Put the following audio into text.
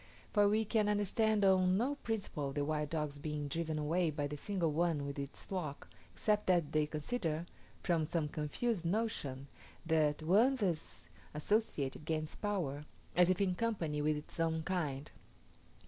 For we can understand on no principle the wild dogs being driven away by the single one with its flock, except that they consider, from some confused notion, that the one thus associated gains power, as if in company with its own kind.